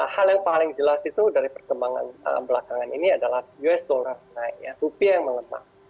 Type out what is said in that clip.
hal yang paling jelas itu dari perkembangan belakangan ini adalah us dollar naik rupiah yang melemah